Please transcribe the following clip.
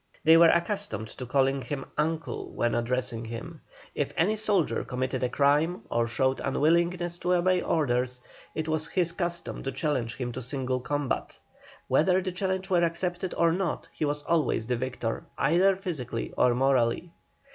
They were accustomed to call him "Uncle" when addressing him. If any soldier committed a crime or showed unwillingness to obey orders it was his custom to challenge him to single combat. Whether the challenge were accepted or not he was always the victor, either physically or morally.